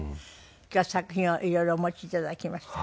今日は作品を色々お持ち頂きました。